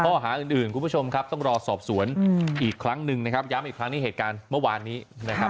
ข้อหาอื่นคุณผู้ชมครับต้องรอสอบสวนอีกครั้งหนึ่งนะครับย้ำอีกครั้งในเหตุการณ์เมื่อวานนี้นะครับ